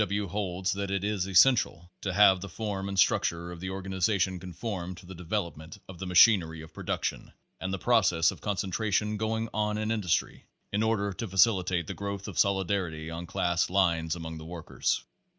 W. holds that it is essential to have the form and structure of the organization conform to the development of the machinery of production and the process of concentration going on in industry in order to facilitate the growth of solidarity on class lines among the workers.